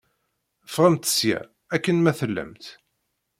Ffɣemt seg-a, akken ma tellamt!